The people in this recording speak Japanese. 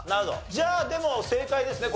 じゃあでも正解ですね。